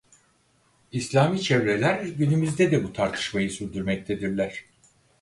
İslami çevreler günümüzde de bu tartışmayı sürdürmektedirler.